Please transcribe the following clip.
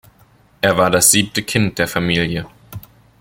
Er war das siebte Kind der Familie.